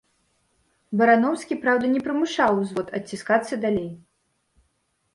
Бараноўскі, праўда, не прымушаў ўзвод адціскацца далей.